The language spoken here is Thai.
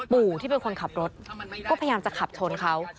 ปู่ที่เป็นคนขับรถก็พยายามจะขับชนเขา